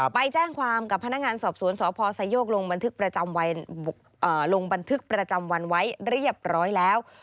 ไปแจ้งความกับพนักงานสอบสวนสพไซโยกลงบันทึกประจำวันไว้เรียบร้อยแล้ว